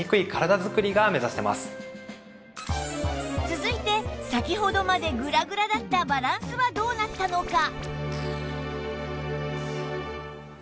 続いて先ほどまでグラグラだったバランスはどうなったのか？